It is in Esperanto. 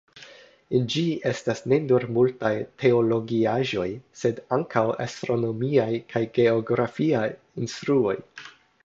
En ĝi estas ne nur multaj teologiaĵoj, sed ankaŭ astronomiaj kaj geografiaj instruoj.